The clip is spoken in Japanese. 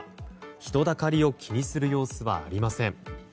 人だかりを気にする様子はありません。